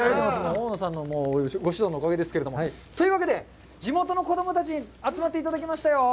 大野さんのご指導のおかげですけれども。というわけで地元の子供たちに集まっていただきましたよ。